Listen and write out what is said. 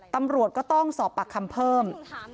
ตำรวจก็ต้องสอบปากคำเพิ่ม